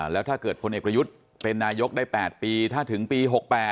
แล้วถ้าเกิดพลเอกประยุทธ์เป็นนายกได้๘ปีถ้าถึงปี๖๘